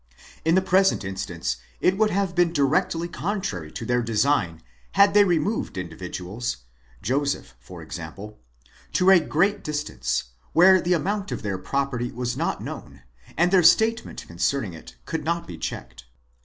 In the present instance it would have been directly contrary to their design, had they removed individuals—Joseph for example—to a great distance, where the amount of their property was not known, and their statement concerning it could not be checked.